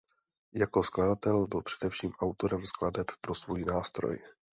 Jako skladatel byl především autorem skladeb pro svůj nástroj.